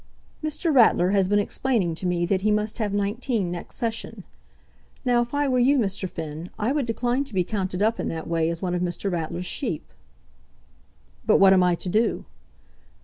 "Mr. Ratler has been explaining to me that he must have nineteen next session. Now, if I were you, Mr. Finn, I would decline to be counted up in that way as one of Mr. Ratler's sheep." "But what am I to do?"